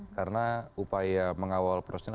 karena upaya mengawal prosesnya